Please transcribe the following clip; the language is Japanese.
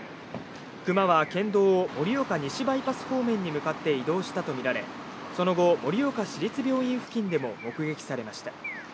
クマは県道を盛岡西バイパス方面に向かって移動したとみられ、その後、盛岡市立病院付近でも目撃されました。